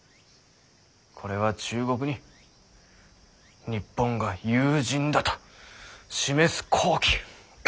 これは中国に日本が友人だと示す好機。